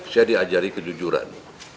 saya diajari kejujuran